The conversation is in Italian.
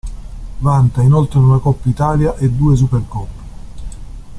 Vanta in oltre una Coppa Italia e due Supercoppe.